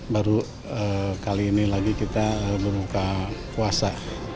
baru kali ini lagi kita berbuka puasa